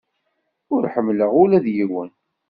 Ur ḥemmleɣ ula d yiwen.